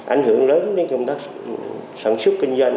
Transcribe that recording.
ảnh hưởng lớn đến công tác sản xuất kinh doanh